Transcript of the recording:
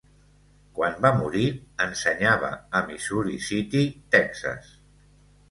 Quan va morir, ensenyava a Missouri City, Texas.